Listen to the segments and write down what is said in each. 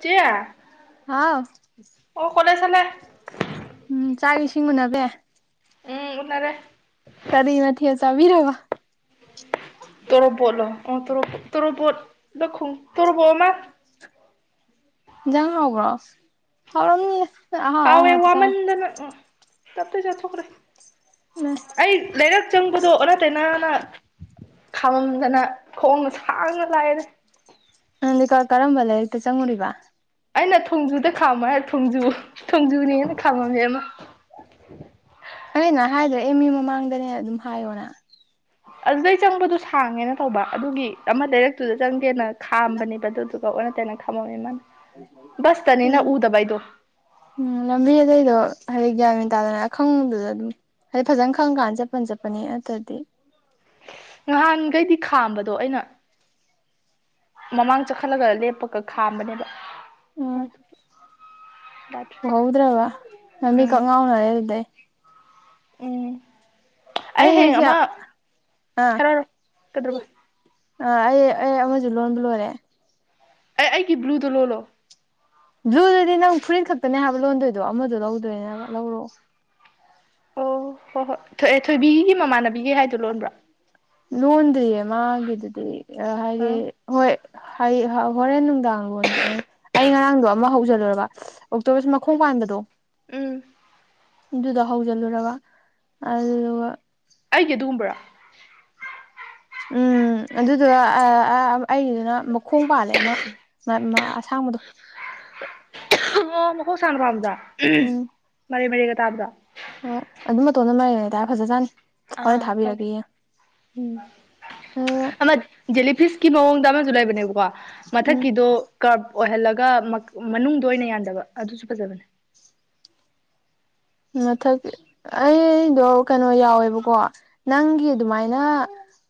ꯆꯌꯥ ꯍꯥꯎ ꯑꯣ ꯀꯂ ꯆꯂꯦ ꯎꯝ ꯆꯥꯛ ꯏꯁꯤꯡ ꯎꯨꯟꯅꯕ ꯎꯝ ꯎꯅꯔꯦ ꯀꯔꯤ ꯅ ꯑ ꯆꯕꯤꯔ ꯋꯥ ꯇꯣꯔꯣꯕꯣꯠꯂꯣ ꯇꯣꯔꯣꯕꯣꯠꯗꯣꯡ ꯇꯣꯔꯣꯕꯣꯠ ꯑꯃ ꯌꯥ ꯑꯣꯒ꯭ꯔ ꯀꯝ ꯍꯥꯎꯦ ꯋꯥ ꯃꯟꯗꯅ ꯆꯖ ꯊꯈꯔ ꯎ ꯑꯩ ꯂꯩꯔꯛ ꯆꯪꯕꯗꯣ ꯑꯣꯔ ꯇꯅꯥꯅ ꯈꯥꯃꯝꯗꯅ ꯈꯣꯡꯅ ꯁꯥꯡꯅ ꯂꯥꯛꯑꯦꯗ ꯅꯪ ꯀꯔꯝꯕ ꯂꯥꯏꯔꯤꯛꯇ ꯆꯪꯉꯨꯔꯤꯕ ꯑꯩꯅ ꯊꯣꯡꯖꯨꯗ ꯈꯥꯝꯃ ꯍꯥꯏꯔ ꯊꯣꯡꯖꯨ ꯊꯣꯡꯖꯨꯅꯦꯅ ꯈꯥꯝꯃꯝꯃꯦꯃ ꯀꯩꯅ ꯍꯥꯏꯗ꯭ꯔꯦ ꯑꯦꯝ ꯑꯦ ꯃꯃꯥꯡꯗꯅꯦ ꯑꯗꯨꯝ ꯍꯥꯏꯌꯣꯅ ꯑꯗꯨꯗꯩ ꯆꯪꯕꯗꯣ ꯁꯥꯡꯉꯦꯅ ꯇꯧꯕ ꯑꯗꯨꯒꯤ ꯑꯃ ꯂꯩꯔꯛꯇꯨꯗ ꯆꯪꯒꯦꯅ ꯈꯥꯝꯕꯅꯦꯕ ꯑꯗꯨꯗꯨ ꯑꯣꯟꯅ ꯇꯩꯅ ꯈꯝꯃꯧꯃꯤ ꯏꯃꯅ ꯕꯁꯇꯅꯤꯅ ꯎꯝ ꯎꯗꯕꯩꯗꯣ ꯎꯝ ꯂꯝꯕꯤ ꯑꯇꯩꯗꯣ ꯍꯥꯏꯗꯤ ꯒ꯭ꯌꯥꯟꯃꯤꯦꯟꯟ ꯇꯥꯗꯅ ꯑꯈꯪꯗꯨꯗ ꯑꯗꯨꯝ ꯍꯥꯏꯗꯤ ꯐꯖꯅ ꯈꯪ ꯀꯥꯟꯗ ꯆꯠꯄꯟ ꯆꯠꯄꯅꯤ ꯑꯗꯨꯗꯤ ꯅꯍꯥꯟꯈꯩꯗꯤ ꯈꯥꯝꯕꯗꯣ ꯑꯩꯅ ꯃꯃꯥꯡ ꯆꯈꯠꯂꯒ ꯂꯦꯞꯄ ꯈꯥꯝꯕꯅꯦꯕ ꯎꯝ ꯑꯗꯨ ꯎꯍꯧꯗ꯭ꯔꯕ ꯂꯝꯕꯤ ꯀꯛ ꯎꯝ ꯉꯥꯎꯅꯔꯦ ꯑꯗꯨꯗꯩ ꯎꯝ ꯑꯩ ꯍꯌꯦꯡ ꯉꯁꯤ ꯑꯃ ꯑꯥ ꯍꯥꯏꯔꯛꯔꯣ ꯀꯗꯕ ꯑꯥ ꯑꯩ ꯑꯩ ꯑꯃꯁꯨ ꯂꯣꯟꯕ ꯂꯣꯏꯔꯦ ꯑꯦ ꯑꯩꯒꯤ ꯕ꯭ꯂꯨꯗꯣ ꯂꯣꯜꯂꯣ ꯕ꯭ꯂꯨꯗꯨꯗꯤ ꯅꯪ ꯐꯨꯔꯤꯟ ꯈꯛꯇꯅꯦ ꯍꯥꯏꯕ ꯂꯣꯟꯗꯣꯏꯗꯣ ꯑꯃꯗꯣ ꯂꯧꯗꯣꯏꯅꯦꯕ ꯂꯧꯔꯣꯑꯣ ꯑꯣ ꯍꯣꯏ ꯍꯣꯏ ꯑꯦ ꯊꯣꯏꯕꯤꯒꯤ ꯃꯃꯥꯟꯅꯕꯤꯒꯤ ꯍꯥꯏꯗꯨꯣ ꯂꯣꯟꯕ꯭ꯔꯥ ꯂꯣꯟꯗꯤꯌꯦ ꯃꯥꯒꯤꯗꯨꯗꯤ ꯑ ꯍꯥꯏꯗꯤ ꯍꯣꯏ ꯍꯣꯔꯦꯟ ꯅꯨꯡꯗꯥꯡ ꯑꯩ ꯉꯔꯥꯡꯗꯣ ꯑꯃ ꯍꯧꯖꯗꯨꯔꯕ ꯑꯣꯛꯇꯣꯕꯔꯁꯨ ꯃꯈꯣꯡ ꯄꯥꯟꯕꯗꯣ ꯎꯝ ꯑꯗꯨꯗ ꯍꯧꯖꯤꯜꯂꯨꯔꯕ ꯑꯗꯨꯒ ꯑꯩꯒꯤ ꯑꯗꯨꯒꯨꯝꯕ꯭ꯔꯥ ꯎꯝ ꯑꯗꯨꯗꯣ ꯑꯩ ꯅ ꯃꯈꯣꯡ ꯄꯥꯜꯂꯦ ꯑꯃ ꯑꯁꯥꯡꯕꯗꯣ ꯑꯣ ꯃꯈꯣꯡ ꯁꯥꯡꯅ ꯄꯥꯝꯕꯗꯣ ꯎꯝ ꯃꯔꯩ ꯃꯔꯩꯒ ꯇꯥꯕꯗꯣ ꯍꯣꯏ ꯑꯗꯨ ꯃꯇꯣꯟꯗ ꯃꯔꯩ ꯃꯔꯩ ꯇꯔ ꯐꯖꯖꯥꯅꯤ ꯑꯥ ꯀ ꯎꯝ ꯑꯗꯨꯒ ꯑꯃꯗ ꯖꯤꯂꯤ ꯐꯤꯁꯀꯤ ꯃꯑꯣꯡꯗ ꯑꯃꯁꯨ ꯂꯩꯕꯅꯦꯕꯀꯣ ꯎꯝ ꯃꯊꯛꯀꯤꯗꯣ ꯀꯔꯞ ꯑꯣꯏꯍꯜꯂꯒ ꯃꯅꯨꯡꯗ ꯑꯣꯏꯅ ꯌꯥꯟꯗꯕ ꯑꯗꯨꯁꯨ ꯐꯖꯕꯅꯦ ꯃꯊꯛ ꯑꯩꯗꯣ ꯀꯩꯅꯣ ꯌꯥꯎꯋꯦꯕꯀꯣ ꯅꯪꯒꯤ ꯑꯗꯨꯃꯥꯏꯅ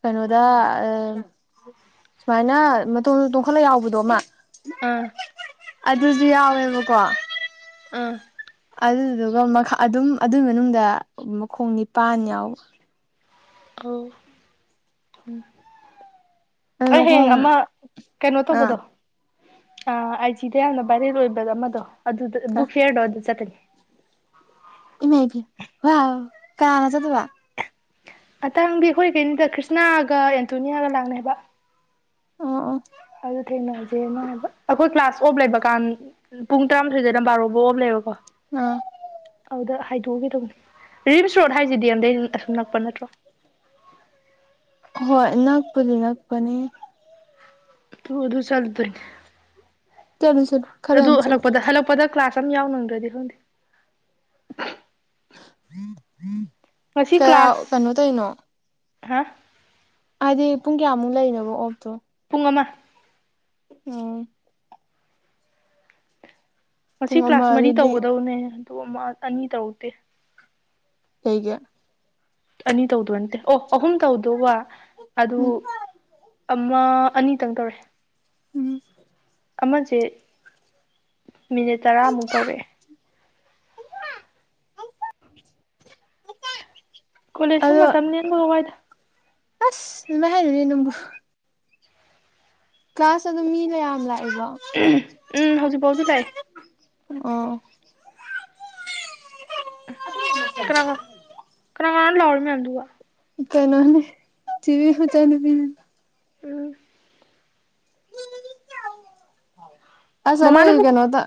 ꯀꯩꯅꯣꯗ ꯁꯨꯃꯥꯏꯅ ꯃꯇꯣꯟ ꯇꯣꯡꯈꯠꯂ ꯌꯥꯎꯕꯗꯣ ꯑꯃ ꯑꯥ ꯑꯗꯨꯁꯨ ꯌꯥꯎꯋꯦꯕꯀꯣ ꯑꯥ ꯑꯗꯨꯗꯨꯒ ꯃꯈꯥ ꯑꯗꯨꯝ ꯑꯗꯨꯏ ꯃꯅꯨꯡꯗ ꯃꯈꯣꯡ ꯅꯤꯄꯥꯟ ꯌꯥꯎ ꯑꯣ ꯑꯗꯨ ꯑꯩ ꯍꯌꯦꯡ ꯃꯈꯣꯡ ꯑꯃ ꯀꯩꯅꯣ ꯑꯥ ꯇꯧꯕꯗꯣ ꯑ ꯑꯥꯏꯖꯤꯗ ꯌꯥꯝꯅ ꯚꯥꯏꯔꯦꯜ ꯑꯣꯏꯕ ꯑꯃꯗꯣ ꯑꯗꯨꯗ ꯕꯨꯛ ꯐꯤꯌꯥꯔꯗꯣ ꯑꯗꯨ ꯆꯠꯇꯣꯢꯅꯤ ꯏꯃꯥꯢ ꯄꯦꯃ ꯋꯥꯎ ꯀꯥꯅꯒ ꯆꯠꯇꯣꯢꯕꯥ ꯑꯇꯥꯡꯕꯤ ꯑꯩꯈꯣꯏ ꯀꯩꯅꯤꯗ ꯀ꯭ꯔꯤꯁꯅꯥꯒ ꯑꯦꯟꯇꯣꯅꯤꯌꯥꯒ ꯂꯥꯛꯅꯤ ꯍꯥꯢꯕ ꯑꯣ ꯑꯣ ꯑꯗꯨ ꯊꯦꯡꯅꯁꯦꯅ ꯍꯥꯏꯕ ꯑꯩꯈꯣꯏ ꯀ꯭ꯂꯥꯁ ꯑꯣꯐ ꯂꯩꯕ ꯀꯥꯟ ꯄꯨꯡ ꯇꯔꯥꯃꯥꯊꯣꯏꯗꯩꯅ ꯕꯥꯔꯣꯕꯣꯛ ꯑꯣꯐ ꯂꯩꯌꯦꯕꯀꯣ ꯎꯝ ꯑꯗꯨꯗ ꯍꯥꯏꯗꯣꯛꯎꯒꯦꯗꯧꯅꯤ ꯔꯤꯝꯁ ꯔꯣꯗ ꯍꯥꯏꯁꯤꯗꯤ ꯗꯤ ꯑꯦꯝ ꯗꯩ ꯅꯛꯄ ꯅꯠꯇ꯭ꯔꯣ ꯍꯣꯏ ꯅꯛꯄꯨꯗꯤ ꯅꯛꯄꯅꯤ ꯇꯨ ꯑꯗꯨ ꯆꯠ ꯇꯣꯢꯅꯤ ꯆꯂꯨ ꯆꯂꯨ ꯑꯗꯨ ꯍꯜꯂꯛꯄꯗ ꯍꯜꯂꯛꯄꯗ ꯀ꯭ꯂꯥꯁ ꯑꯃ ꯌꯥꯎ ꯅꯪꯗ꯭ꯔꯗꯤ ꯈꯪꯗꯦ ꯉꯁꯤ ꯀꯌꯥ ꯀ꯭ꯂꯥꯁ ꯀꯩꯅꯣ ꯇꯧꯔꯤꯅꯣ ꯍꯥ ꯍꯥꯏꯗꯤ ꯄꯨꯡ ꯀꯌꯥꯃꯨꯛ ꯂꯩꯅꯣꯕ ꯑꯣꯞꯇꯣ ꯄꯨꯡ ꯑꯃ ꯎꯝ ꯉꯁꯤ ꯄꯨꯡ ꯑꯃ ꯀ꯭ꯂꯥꯁ ꯃꯔꯤ ꯑꯗꯨꯗꯤ ꯇꯧꯒꯗꯕꯅꯦ ꯑꯗꯨ ꯑꯃ ꯑꯅꯤ ꯇꯧꯗꯦ ꯀꯩꯒꯤ ꯑꯅꯤ ꯇꯧꯗꯣꯏꯅꯠꯇꯦ ꯑꯣ ꯑꯍꯨꯝ ꯇꯧꯗꯧꯕ ꯑꯗꯨ ꯎꯝ ꯑꯃ ꯑꯅꯤꯇꯪ ꯇꯧꯔꯦ ꯎꯝ ꯑꯃꯁꯦ ꯃꯤꯅꯤꯠ ꯇꯔꯥꯃꯨꯛ ꯇꯧꯔꯛꯑꯦ ꯀꯣꯂꯦꯖꯇ ꯑꯗꯣ ꯃꯇꯝ ꯂꯦꯟꯕꯒ ꯋꯥꯏꯗ ꯑꯁ ꯂꯥꯢꯔꯔꯦ ꯅꯪꯕꯨ ꯀ꯭ꯂꯥꯁ ꯑꯗꯨꯝ ꯃꯤ ꯃꯌꯥꯝ ꯂꯥꯛꯏꯕꯣ ꯎꯝ ꯍꯧꯖꯤꯛꯐꯥꯎꯗꯤ ꯂꯥꯛꯑꯦ ꯑꯣ ꯀꯅꯥ ꯀꯅꯥꯅꯣ ꯂꯥꯎꯔꯤ ꯃꯌꯥꯝꯗꯨꯕꯣ ꯀꯩꯅꯣꯅꯦ ꯆꯦ ꯕꯦ ꯃꯆꯥꯅꯨꯄꯤꯅꯤ ꯎꯝ ꯑꯁ ꯑꯈꯣꯏ ꯃꯃꯥꯅꯕꯨ ꯀꯩꯅꯣꯗ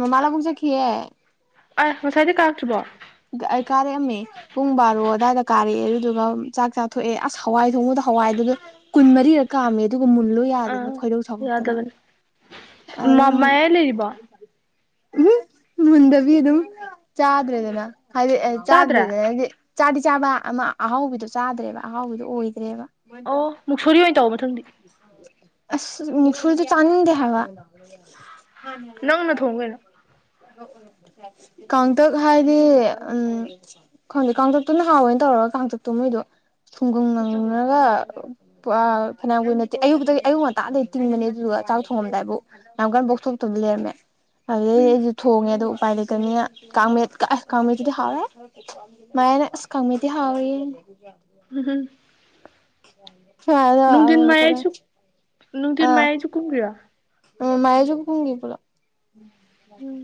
ꯃꯥꯃꯥ ꯂꯥꯕꯨꯛ ꯆꯠꯈꯤꯌꯦ ꯑꯁ ꯉꯁꯥꯏꯗꯩ ꯀꯥꯔꯛꯇ꯭ꯔꯤꯕꯣ ꯑꯩ ꯀꯔꯛ ꯑꯝꯃꯦ ꯄꯨꯡ ꯕꯥꯔꯣ ꯑꯗꯨꯋꯥꯏꯗ ꯀꯥꯔꯛꯑꯦ ꯑꯗꯨꯗꯨꯒ ꯆꯥꯛ ꯆꯥꯊꯣꯛꯑꯦ ꯑꯁ ꯍꯋꯥꯏ ꯊꯣꯡꯕꯗꯣ ꯍꯋꯥꯏꯗꯨꯗ ꯀꯨꯟꯃꯔꯤꯔꯛ ꯀꯥꯝꯃꯦ ꯑꯗꯨꯒ ꯃꯨꯟꯂꯣ ꯌꯥꯗꯅ ꯑꯥ ꯈꯣꯏꯗꯧ ꯁꯥꯎꯒꯠꯇꯅ ꯌꯥꯗꯕꯅꯤ ꯑꯗꯨꯝ ꯃꯌꯥꯏ ꯂꯩꯔꯤꯕꯣ ꯎꯝ ꯃꯨꯟꯗꯕꯤ ꯑꯗꯨꯝ ꯆꯥꯗ꯭ꯔꯦꯗꯅ ꯍꯥꯏꯗꯤ ꯆꯥꯗ꯭ꯔꯦ ꯆꯥꯗ꯭ꯔꯦꯗꯅ ꯍꯥꯏꯗꯤ ꯆꯥꯗꯤ ꯆꯥꯕ ꯑꯃ ꯑꯍꯥꯎꯕꯤꯗꯣ ꯆꯥꯗ꯭ꯔꯦꯕ ꯑꯍꯥꯎꯕꯤꯗꯣ ꯑꯣꯏꯗ꯭ꯔꯦꯕ ꯑꯣ ꯃꯨꯛꯁꯣꯔꯤ ꯑꯣꯏꯅ ꯇꯧ ꯃꯊꯪꯗꯤ [unintelligible] ꯑꯁ ꯃꯨꯁ‌ꯣꯔꯤꯗꯤ ꯆꯥꯅꯤꯡꯗꯦ ꯍꯥꯏꯕ ꯅꯪꯅ ꯊꯣꯡꯉꯨ ꯀꯩꯅꯣ ꯀꯥꯡꯇꯛ ꯍꯥꯏꯗꯤ꯫ ꯎꯝ ꯈꯪꯗ‌ꯦ ꯀꯥꯡꯇꯛꯇꯨꯅ ꯍꯥꯎꯋꯦꯅ ꯇꯧꯔꯒ ꯀꯥꯡꯇꯛꯇꯨ ꯃꯣꯏꯗꯣ ꯁꯨꯡꯒꯪꯅꯔꯒ꯫ ꯐꯅꯌꯥꯝ ꯀꯨꯏꯅꯗꯤ ꯑꯌꯨꯛꯇꯒꯤ ꯑꯌꯨꯛ ꯉꯟꯇꯥꯗꯒꯤ ꯇꯤꯡꯕꯅꯦ ꯑꯗꯨꯗꯨꯒ ꯆꯥꯛ ꯊꯣꯡꯉꯝꯗꯥꯏꯕꯧ꯫ ꯌꯥꯝ ꯀꯟꯅ ꯄꯣꯛꯊꯣꯛꯇꯕꯤ ꯂꯩꯔꯝꯃꯦ꯫ ꯑꯗꯨꯗꯩꯗꯤ ꯎꯝ ꯑꯩꯁꯨ ꯊꯣꯡꯉꯦ ꯑꯗꯨ ꯎꯄꯥꯏ ꯂꯩꯇꯥꯕꯥꯅꯤꯅ ꯀꯥꯃꯦꯠꯀꯥ ꯑꯩꯗꯤ ꯍꯥꯎꯋꯦ ꯃꯌꯥꯏꯅ ꯑꯁ ꯈꯪꯃ‌ꯦꯠꯇꯤ ꯍꯥꯎꯔ‌ꯦꯌ‌ꯦ [unintelligible] [unintelligible] ꯅꯨꯡꯇꯤꯟ ꯃꯥꯌꯥꯏꯁꯨ ꯀꯨꯝꯒꯔꯤꯔꯣ꯫ ꯎꯝ ꯃꯌꯥꯏꯁꯨ ꯀꯨꯝꯈꯤ ꯄꯨꯂꯞ ꯎꯝ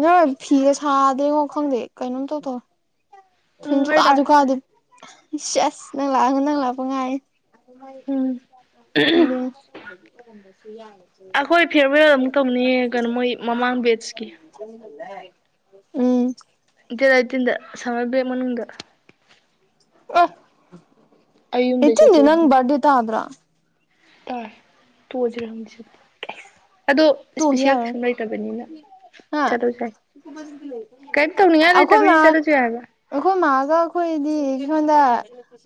ꯅꯪ ꯐꯤꯒꯥ ꯁꯥꯗꯦꯉꯣ ꯈꯪꯗꯦ ꯀꯩꯅꯣꯝ ꯏꯇꯧ ꯇꯧꯔꯦ ꯅꯨꯡꯊꯤꯟ ꯎꯝ ꯑꯩ ꯂꯥꯛꯑ ꯁꯨꯡꯀꯥꯁꯨ ꯀꯥꯗꯦ ꯆꯥꯔꯁꯤ ꯑꯁ ꯅꯪ ꯂꯥꯛꯑꯒ ꯅꯪ ꯂꯥꯛꯄ ꯎꯝ ꯉꯥꯏꯔꯤꯅꯦ ꯑꯗꯨꯅ‌ꯤ ꯑꯩꯈꯣꯏ ꯐꯤꯌꯔꯋꯦꯜ ꯑꯃꯨꯛ ꯇꯧꯅꯤꯌꯦ ꯀꯩꯅꯣ ꯃꯣꯏ ꯃꯃꯥꯡ ꯕꯦꯠꯁꯀꯤ ꯎꯝ ꯗꯦꯠ ꯑꯦꯠꯇꯤꯟꯗ ꯁꯥꯃꯔꯕꯔ‌ꯦꯛ ꯃꯅꯨꯡꯗ ꯑ ꯑꯩ ꯌꯨꯝꯗꯩ ꯑ‌ꯦꯠꯇꯤꯟꯁ‌ꯦ ꯆꯠꯇꯣꯏꯔ ꯅꯪ ꯕ‍꯭ꯔꯥꯗ‌ꯦ ꯇꯥꯗꯔꯣ ꯇꯥꯏ ꯇꯣꯑꯁꯤꯔ ꯈꯪꯗ‌ꯦ ꯑꯗꯣ ꯇꯣ ꯏꯁꯄꯤꯁꯦꯜ ꯌꯥꯔꯣꯏ ꯀꯩꯁꯨꯝ ꯂꯩꯇꯕꯅꯤꯅ꯫ ꯍꯥ ꯆꯠꯂꯁꯨ ꯌꯥꯏ ꯀꯩꯝ ꯇꯧꯅꯤꯉꯥꯏ ꯑꯩꯈꯣꯏ ꯃꯥ ꯂꯩꯇꯝꯅꯤꯅ ꯆꯠꯂꯁꯨ ꯌꯥꯏ ꯍꯥꯏꯕ ꯑꯩꯈꯣꯏ ꯃꯥꯒ ꯑꯩꯈꯣꯏ ꯗꯤ ꯁꯣꯟꯗ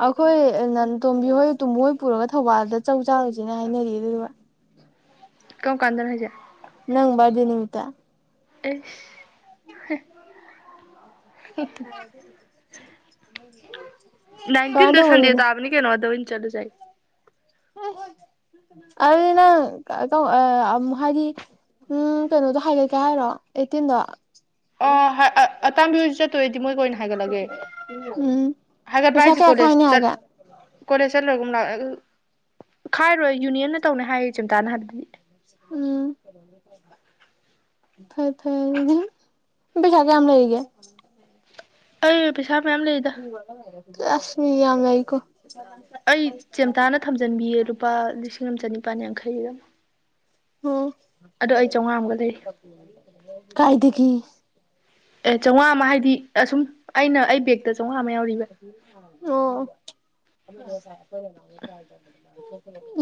ꯑꯩꯈꯣꯏ ꯅꯟ ꯇꯣꯝꯕꯤ ꯍꯣꯏ ꯇꯣꯃꯨ ꯍꯣꯏ ꯄꯨꯔꯒ ꯊꯧꯕꯥꯜꯗ ꯆꯧ ꯆꯥꯔꯨꯁ‌ꯦꯅ ꯍꯥꯏꯅꯔꯤꯌꯦ ꯑꯗꯨꯗꯨꯒ꯫ ꯀꯔꯝ ꯀꯥꯟꯗꯅꯣ ꯍꯥꯏꯁꯦ ꯅꯪ ꯕꯔꯥꯗꯦ ꯅꯨꯃꯤꯠꯇ꯫ [unintelligible] ꯀꯃꯥꯏ ꯇꯧꯕ ꯑꯗꯨꯗꯤ꯫ ꯀꯩꯅꯣꯗ ꯑꯣꯏꯅ ꯆꯠꯂꯨꯁꯦ ꯑꯗꯨꯗꯤ ꯅꯪ ꯑꯥ ꯍꯥꯏꯗꯤ ꯎꯝ ꯀꯩꯅꯣꯗꯣ ꯍꯥꯏꯒꯠꯀꯦ ꯍꯥꯏꯔꯣ ꯑꯦꯠꯇꯤꯟꯗ‌ꯣ꯫ ꯑꯣ ꯑꯥ ꯑꯇꯥꯡꯕꯤ ꯍꯣꯏꯁꯨ ꯆꯠꯇꯣꯏ ꯑꯣꯏꯗꯤ ꯃꯣꯏꯒꯥ ꯑꯣꯏꯅ ꯍꯥꯏꯒꯠꯂꯒꯦ ꯎꯝ ꯍꯥꯏꯒꯠꯄ ꯄꯩꯁꯥ ꯍꯥꯏꯁ‌ꯦ ꯀꯌꯥ ꯀꯣꯂꯦꯖ ꯈꯥꯏꯅꯤ ꯆꯠ ꯍꯥꯏꯒꯦ ꯀꯣꯂꯦꯖ ꯆꯠꯂꯒꯨꯝꯂꯥ ꯈꯥꯏꯔꯣꯏ ꯌꯨꯅꯤꯌꯟꯅ ꯇꯧꯅꯤ ꯍꯥꯏꯌꯦ ꯆꯝꯇꯥꯅ ꯍꯥꯏꯕꯗꯗꯤ꯫ ꯎꯝ ꯐꯩ ꯐꯩ ꯑꯗꯨꯗꯤ ꯅꯪ ꯄꯩꯁꯥ ꯀꯌꯥꯝ ꯂꯩꯔꯤꯒꯦ꯫ ꯑꯩ ꯄꯩꯁꯥ ꯃꯌꯥꯝ ꯂꯩꯗ ꯑꯁ ꯃꯤꯗꯤ ꯌꯥꯝ ꯂꯩꯀꯣ꯫ ꯑꯩ ꯆꯦꯝꯇꯥꯅ ꯊꯝꯖꯟꯕꯤꯌꯦ ꯂꯨꯄꯥ ꯂꯤꯁꯤꯡ ꯑꯃ ꯆꯅꯤꯄꯥꯥꯟ ꯌꯥꯡꯈꯩꯔ ꯑꯣ ꯑꯗꯣ ꯑꯩ ꯆꯥꯝꯃꯉꯥ ꯑꯃꯒ ꯂꯩꯔꯤ ꯀꯥꯏꯗꯒꯤ ꯑꯦ ꯆꯧꯉꯥ ꯑꯃ ꯍꯥꯏꯗꯤ ꯑꯁꯨꯝ ꯑꯩꯅ ꯑꯩ ꯕꯦꯛꯇ ꯆꯧꯉꯥ ꯑꯃ ꯌꯥꯎꯔꯤꯌ‌ꯦ ꯑꯣ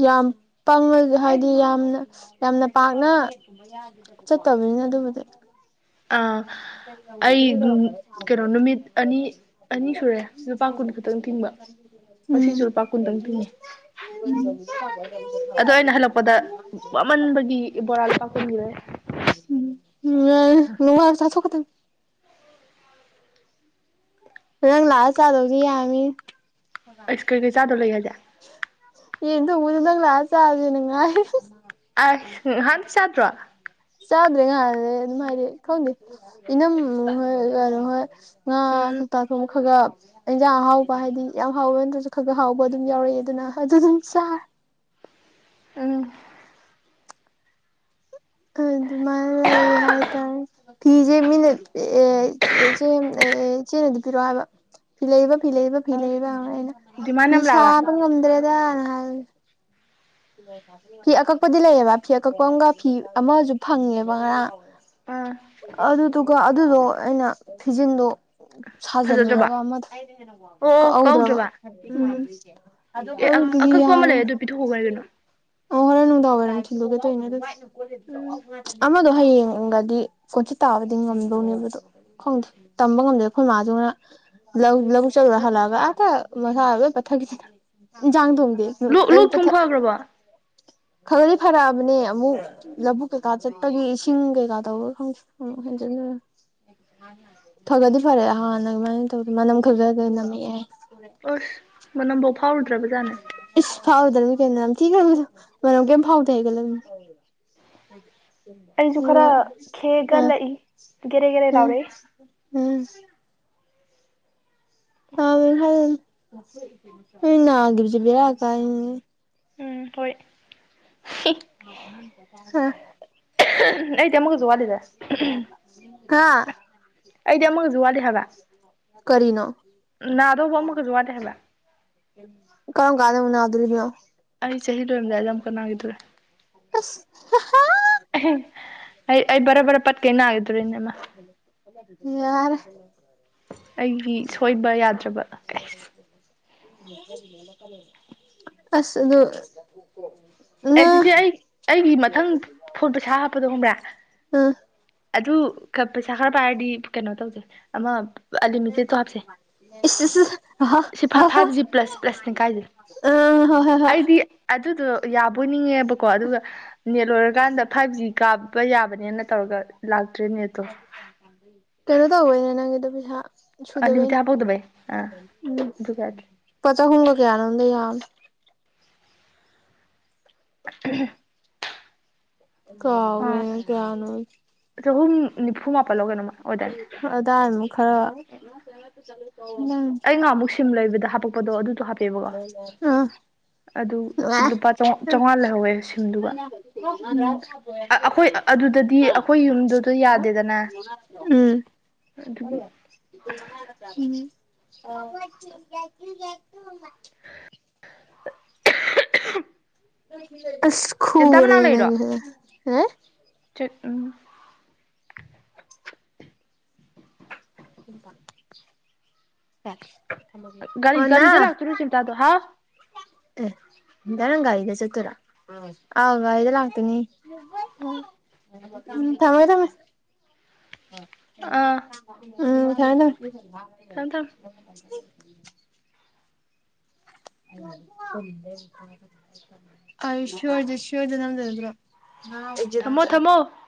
ꯌꯥꯝ ꯄꯪꯅ ꯍꯥꯏꯗꯤ ꯌꯥꯝꯅ ꯌꯥꯝꯅ ꯄꯥꯛꯅ꯫ ꯆꯠꯇꯕꯅꯤꯅ ꯑꯗꯨꯕꯨꯗꯤ꯫ ꯑꯥ ꯑꯩ ꯀꯩꯅꯣ ꯅꯨꯃꯤꯠ ꯑꯅꯤ ꯑꯅꯤ ꯁꯨꯔꯦ ꯂꯨꯄꯥ ꯀꯨꯟ ꯈꯛꯇꯪ ꯇꯤꯡꯕ ꯉꯥꯁꯤꯁꯨ ꯂꯨꯄꯥ ꯀꯨꯟ ꯇꯪ ꯇꯤꯡꯉ‌ꯦ ꯎꯝ [unintelligible] ꯑꯗꯣ ꯑꯩꯅ ꯍꯜꯂꯛꯄꯗ ꯋꯥꯃꯟꯕꯒꯤ ꯕꯣꯔꯥ ꯂꯨꯄꯥ ꯀꯨꯟꯒꯤ ꯂꯩꯔꯛꯑꯦ ꯎꯝ ꯌꯥꯔ‌ꯦ ꯅꯨꯡꯉꯥꯏ ꯆꯊꯣꯛꯀꯗꯕꯅꯤ ꯅꯪ ꯂꯥꯛꯑꯥ ꯆꯥꯗꯔ꯭ꯗꯤ ꯌꯥꯔꯔꯣꯏ ꯑꯩꯁ ꯀꯔꯤ ꯀꯩ ꯆꯥꯗꯣ ꯂꯩ ꯍꯥꯏꯗꯥꯏ ꯌꯦꯟ ꯊꯣꯡꯕꯗꯣ ꯅꯪ ꯂꯥꯛꯑ ꯆꯥꯒꯦꯅ ꯉꯥꯏꯔꯤ ꯑꯁ ꯉꯍꯥꯟ ꯆꯗ꯭ꯔꯣ ꯆꯥꯗ꯭ꯔꯦ ꯉꯍꯥꯟꯗꯩꯩ ꯑꯗꯨꯝ ꯍꯥꯢꯗꯤ ꯈꯪꯗꯦ ꯏꯅꯝꯃ ꯃꯣꯏ ꯀꯩꯅꯣ ꯍꯣꯏ ꯉꯥ ꯎꯝ ꯀꯣꯛꯇꯥ ꯊꯣꯡꯕ ꯈꯔꯥ ꯏꯟꯖꯥꯡ ꯑꯍꯥꯎꯕ ꯍꯥꯏꯗꯤ ꯌꯥꯝ ꯍꯥꯎꯕ ꯅꯠꯇ꯭ꯔꯁꯨ ꯈꯒ ꯍꯥꯎꯕ ꯑꯗꯨꯝ ꯌꯥꯎꯔꯛꯑꯦ ꯑꯗꯨꯅ ꯑꯗꯨ ꯑꯗꯨꯝ ꯆꯔꯦ ꯑꯝ ꯑꯗꯨꯃꯥꯏ ꯂꯩꯔꯤ ꯍꯥꯏꯇꯥꯔꯦ ꯐꯤꯁꯦ ꯃꯤꯅ ꯑꯦ ꯆꯦꯅꯗꯤ ꯄꯤꯔꯣꯑꯣ ꯍꯥꯏꯕ ꯐꯤ ꯂꯩꯕ ꯐꯤ ꯂꯩꯕ ꯐꯤ ꯑ ꯂꯩꯕ ꯑꯩꯅ ꯗꯤꯃꯥꯟ ꯐꯤ ꯌꯥꯝ ꯂꯥꯛꯑꯕ ꯁꯥꯕ ꯉꯝꯗ꯭ꯔꯦꯗꯅ ꯍꯥꯏꯕ ꯐꯤ ꯑꯀꯛꯄꯗꯤ ꯂꯩꯌꯦꯕ ꯐꯤ ꯑꯀꯛꯄ ꯑꯃꯒ ꯐꯤ ꯑꯃꯁꯨ ꯐꯪꯉꯦꯕ ꯉꯔꯥꯡ ꯑꯥ ꯑꯗꯨꯗꯨꯒ ꯑꯗꯨꯗꯣ ꯑꯩꯅ ꯐꯤꯖꯤꯟꯗꯣ ꯐꯖꯗ꯭ꯔꯕ ꯁꯥꯖꯤꯜꯂꯨꯔꯒ ꯑꯃꯗꯣ ꯑꯣ ꯀꯛꯑꯧꯗ꯭ꯔꯕ ꯀꯧꯗ꯭ꯔꯕ ꯎꯝ ꯑꯗꯨꯗꯨꯗꯤ ꯌꯥꯔꯣꯏ ꯄꯤꯊꯣꯛꯈꯣ ꯀꯔꯤꯅꯣ ꯑꯣ ꯍꯣꯔꯦꯟ ꯅꯨꯡꯗꯥꯡ ꯋꯥꯏꯔꯝ ꯊꯤꯜꯂꯨꯒꯦ ꯇꯧꯏꯅꯦ ꯎꯝ ꯑꯃꯗꯣ ꯍꯌꯦꯡꯒꯗꯤ ꯁꯥꯈꯤꯠ ꯇꯥꯕꯗꯤ ꯉꯝꯗꯧꯅꯦꯕꯗꯣ ꯈꯪꯗꯦ ꯇꯝꯕ ꯉꯝꯗꯦ ꯑꯩꯈꯣꯏ ꯃꯥꯗꯨꯅ ꯂꯧ ꯂꯧꯕꯨꯛ ꯆꯠꯂꯨꯔ ꯍꯜꯂꯛ ꯑꯒ ꯑꯇꯥ ꯃꯁꯥ ꯂꯣꯏ ꯐꯠꯊꯥꯒꯤꯗꯅ ꯏꯟꯁꯥꯡ ꯊꯣꯡꯗꯦ ꯂꯣꯛ ꯂꯣꯛ ꯑꯌꯨꯛꯇꯥ ꯊꯨꯡ ꯊꯛ ꯐꯈ꯭ꯔꯕꯣ ꯈꯔꯗꯤ ꯐꯔꯛꯑꯥꯕꯅꯦ ꯑꯃꯨꯛ ꯂꯧꯕꯨꯛ ꯀꯩꯀꯥ ꯆꯠꯄꯒꯤ ꯏꯁꯤꯡ ꯀꯩꯀꯥ ꯇꯧꯕꯔ ꯈꯪꯗꯦ ꯑꯃꯨꯛ ꯍꯦꯟꯖꯤꯟꯂꯦ ꯊꯥꯕꯜꯗꯤ ꯐꯔꯦ ꯍꯥꯟꯅ ꯑꯗꯨꯃꯥꯏꯅ ꯇꯧꯗꯦ ꯃꯅꯝ ꯈꯛꯇ ꯑꯗꯨ ꯅꯝꯃꯛꯑꯦ ꯍꯥꯏꯌꯦ ꯎꯁ ꯃꯅꯝꯕꯧ ꯐꯥꯎꯔꯨꯗ꯭ꯔꯕꯖꯥꯅꯦ ꯏꯁ ꯐꯥꯎꯗ꯭ꯔꯗꯤ ꯀꯩꯅꯣ ꯅꯃꯊꯤꯈꯔ꯭ꯕꯗꯨ ꯃꯅꯝ ꯀꯩꯝ ꯐꯥꯎꯗꯦ ꯍꯥꯏꯒꯠꯂꯕꯅꯤ ꯑꯩꯁꯨ ꯈꯔ ꯑ ꯈꯦꯒꯠꯂꯛꯏ ꯒꯦꯔꯦ ꯒꯦꯔꯦ ꯎꯝ ꯂꯥꯎꯔꯦꯍꯦ ꯎꯝ ꯑꯧ ꯍꯧ ꯅꯪ ꯅꯗꯕꯁꯦ ꯕꯦꯔꯥ ꯀꯥꯏꯅꯦ ꯎꯝ ꯍꯣꯏ ꯑꯩꯗꯤ ꯑꯃꯒꯁꯨ ꯋꯥꯠꯂꯤꯗ ꯑ ꯑꯥ ꯑꯩꯗꯤ ꯑꯃꯒꯁꯨ ꯋꯥꯠꯂꯤ ꯍꯥꯏꯕ ꯀꯔꯤꯅꯣ ꯅꯥꯗꯧꯕ ꯑꯃꯒꯁꯨ ꯋꯥꯠꯂꯤ ꯍꯥꯏꯕ ꯀꯔꯝ ꯀꯥꯟꯗ ꯎꯅꯥꯗꯨꯔꯤꯕꯅꯣ ꯑꯩ ꯆꯍꯤ ꯂꯣꯏꯔꯝꯗꯥꯏꯗ ꯑꯃꯨꯛꯀ ꯅꯥꯈꯤꯗꯣꯔꯦ ꯑꯁ ꯍꯥ ꯍꯥ ꯑꯩ ꯑꯩ ꯕꯦꯔꯦ ꯕꯦꯔꯦ ꯄꯠ ꯀꯩ ꯅꯒꯤꯗꯨꯔꯤꯅꯦ ꯑꯃꯥꯥ ꯌꯥꯔꯦ ꯑꯩꯒꯤ ꯁꯣꯏꯕ ꯌꯥꯗ꯭ꯔꯕ ꯀꯩꯁ ꯑꯁ ꯑꯗꯨ ꯅ ꯑꯩꯗꯤ ꯆꯦ ꯑꯩ ꯑꯩꯒꯤ ꯃꯊꯪ ꯐꯣꯟ ꯄꯩꯁꯥ ꯍꯥꯞꯄꯗꯣ ꯈꯪꯕ꯭ꯔꯥ ꯎꯝ ꯑꯗꯨ ꯈꯔ ꯄꯩꯁꯥ ꯈꯔ ꯄꯥꯏꯔꯗꯤ ꯀꯩꯅꯣ ꯇꯧꯁꯦ ꯑꯃ ꯑꯟꯂꯤꯃꯤꯇꯦꯠꯇꯣ ꯍꯥꯞꯁꯦ ꯏꯁ ꯏꯁ ꯑꯍꯥ ꯁꯤ ꯐꯥ ꯐꯥꯏꯚ ꯖꯤ ꯄ꯭ꯂꯁ ꯄ꯭ꯂꯁꯅꯦ ꯀꯥꯏꯖꯦ ꯑ ꯍꯣꯏ ꯍꯣꯏ ꯍꯣꯏ ꯑꯗꯨꯗꯣ ꯌꯥꯕꯣꯏ ꯅꯤꯡꯉꯦꯕꯀꯣ ꯑꯗꯨꯒ ꯅꯦꯠ ꯂꯣꯏꯔꯀꯥꯟꯗ ꯐꯥꯏꯚ ꯖꯤ ꯀꯥꯕ ꯌꯥꯕꯅꯦꯅ ꯇꯧꯔꯒ ꯂꯥꯛꯇ꯭ꯔꯦ ꯅꯦꯠꯇꯣ ꯀꯩꯅꯣ ꯇꯧꯕꯅꯦ ꯅꯪꯒꯤꯗꯨ ꯄꯩꯁꯥ ꯑꯟꯂꯤꯃꯤꯇꯦꯠ ꯁꯨꯗꯕꯩꯅꯤ ꯍꯥꯞꯄꯧꯗꯕꯩ ꯑꯥ ꯎꯝ ꯑꯗꯨꯒ ꯄ ꯆꯍꯨꯝꯒ ꯀꯌꯥꯅꯣꯃꯗ ꯌꯥꯝꯅꯦ [unintelligible] ꯑꯥ ꯀꯥꯎꯒꯔꯦ ꯀꯌꯥꯅꯣ ꯆꯍꯨꯝ ꯅꯤꯐꯨ ꯃꯥꯄꯜ ꯂ ꯀꯩꯅꯣꯝ ꯑꯣꯏꯗꯥꯏꯅꯦ ꯑꯗꯥꯏ ꯑꯃꯨꯛ ꯈꯔ ꯎꯝ ꯑꯩ ꯅꯍꯥꯟꯃꯨꯛ ꯁꯤꯝ ꯂꯩꯕꯗ ꯍꯥꯄꯛꯄꯗꯣ ꯑꯗꯨꯗꯣ ꯍꯥꯞꯄꯦꯕꯀꯣ ꯑꯗꯨ ꯂꯨꯄꯥ ꯆꯥꯝꯃꯉꯥ ꯂꯩꯍꯧꯋꯦ ꯁꯤꯝꯗꯨꯒ ꯑꯩꯈꯣꯏ ꯑꯗꯨꯗꯗꯤ ꯑꯩꯈꯣꯏ ꯌꯨꯝꯗꯨꯗ ꯌꯥꯗꯦꯗꯅ ꯎꯝ ꯐ ꯑꯗꯨꯒꯤ [unintelligible] [unintelligible] [unintelligible] ꯑꯁ ꯆꯦꯟꯇꯥ ꯈꯨꯔꯦ ꯃꯅꯥꯛ ꯂꯩꯔꯣ ꯅꯪꯁꯦ ꯑꯦ ꯎꯝ [inaudible] ꯒꯥꯔꯤ ꯑꯣꯅꯥ ꯒꯥꯔꯤꯗ ꯂꯥꯛꯇꯣꯏꯔꯣ ꯆꯦꯝꯇꯥꯗꯣ ꯍꯥꯎ ꯑꯦ ꯔꯪ ꯏꯗ ꯆꯠꯇꯨꯔ [inaudible] ꯑꯧ ꯒꯥꯔꯤꯗ ꯂꯥꯛꯇꯣꯢꯅꯦ ꯑꯣ ꯎꯝ ꯊꯝꯃꯦ ꯊꯝꯃꯦ ꯑꯥ ꯎꯝ ꯊꯝꯃꯦ ꯊꯝꯃꯦ ꯊꯝꯃꯣ ꯊꯝꯃꯣ ꯑꯖ ꯁꯖ ꯅꯝꯗ ꯑꯗꯨ꯭ꯔꯣ [inaudible] ꯊꯝꯃꯣ ꯊꯝꯃꯣ [unintelligible]